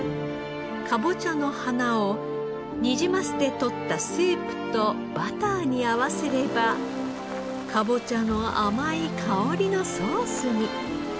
かぼちゃの花をニジマスで取ったスープとバターに合わせればかぼちゃの甘い香りのソースに。